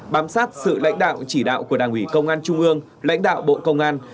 bám sát sự lãnh đạo chỉ đạo của đảng ủy công an trung ương lãnh đạo bộ công an